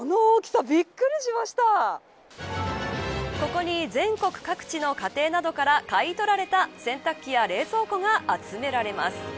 ここに全国各地の家庭などから買い取られた洗濯機や冷蔵庫が集められます。